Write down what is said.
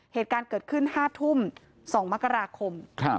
เหตุการณ์เกิดขึ้น๕ทุ่ม๒มกราคม